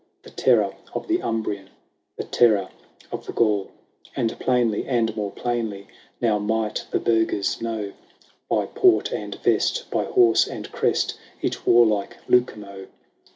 The terror of the Umbrian, The terror of the Gaul. XXIII. And plainly and more plainly Now might the burghers know, By port and vest, by horse and crest, Each warlike Lucumo.